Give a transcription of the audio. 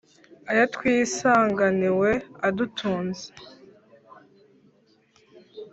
Ayo twisanganiwe adutunze,